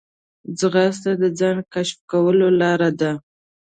ځغاسته د ځان کشف کولو لاره ده